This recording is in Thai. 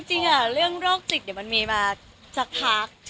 ค่ะจริงอ่าจริงอ่าเรื่องโรคจิตเดี๋ยวมันมีมาจากพัก